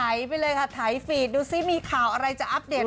ไปเลยค่ะถ่ายฟีดดูซิมีข่าวอะไรจะอัปเดต